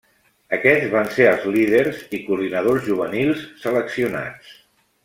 Aquests van ser els líders i coordinadors juvenils seleccionats.